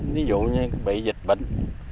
ví dụ như bị dịch bệnh